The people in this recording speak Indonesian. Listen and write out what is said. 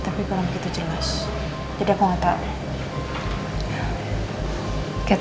tiba tiba jadi koi